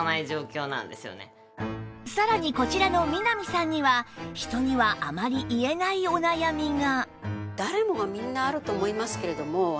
さらにこちらの南さんには人にはあまり言えないお悩みが